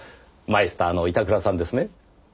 マイスターの板倉さんですね？